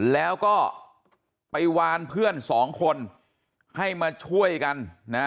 แล้วก็ไปวานเพื่อนสองคนให้มาช่วยกันนะ